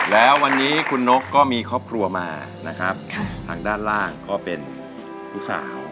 แล้ววันนี้คุณนกก็มีครอบครัวมานะครับทางด้านล่างก็เป็นลูกสาว